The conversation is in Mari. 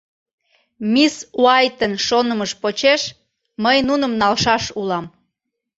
Мисс Уайтын шонымыж почеш, мый нуным налшаш улам.